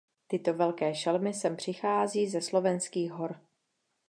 Tyto velké šelmy sem přechází ze slovenských hor.